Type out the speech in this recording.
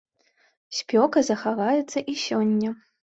Спёка захаваецца і сёння.